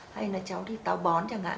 hay là cháu thì táo bón chẳng hạn